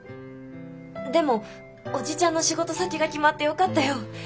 でもおじちゃんの仕事先が決まってよかったよ。